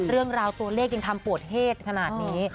เรื่องราวตัวเลขยังทำปวดเหตุขนาดนี้